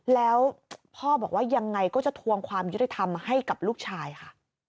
แล้วพ่อบอกว่ายังไงก็จะทวงความยุติธรรมให้กับลูกชายค่ะ